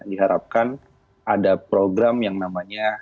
diharapkan ada program yang namanya